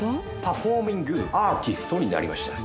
パフォーミングアーティストになりました。